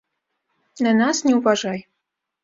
На нас не ўважай.